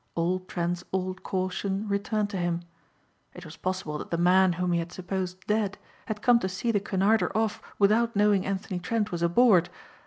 All Trent's old caution returned to him. It was possible that the man whom he had supposed dead had come to see the Cunarder off without knowing Anthony Trent was aboard.